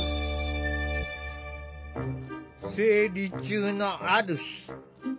生理中のある日。